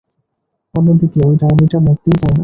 অন্যদিকে, ঐ ডাইনিটা, মরতেই চায় না।